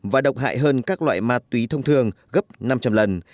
và độc hại hơn các loại ma túy thông thường gấp năm trăm linh lần